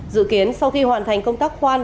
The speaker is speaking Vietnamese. dự kiến sau khi hoàn thành công tác khoan